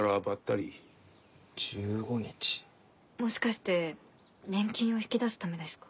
もしかして年金を引き出すためですか。